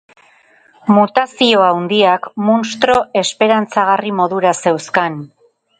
Mutazio handiak munstro esperantzagarri modura zeuzkan.